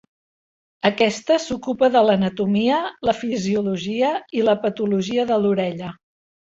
Aquesta s'ocupa de l'anatomia, la fisiologia i la patologia de l'orella.